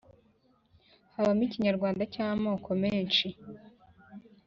habamo Ikinyarwanda cy’amoko menshi